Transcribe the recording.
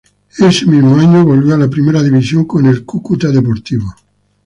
Ese mismo año volvió a la primera división, con el Cúcuta Deportivo.